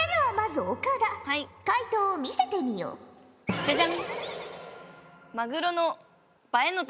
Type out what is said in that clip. ジャジャン。